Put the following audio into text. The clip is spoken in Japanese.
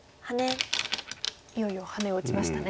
いよいよハネを打ちましたね。